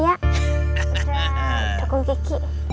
udah dukung kiki